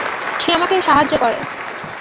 সে আমাকে সাহায্য করে।